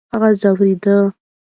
هغه ځورېدی .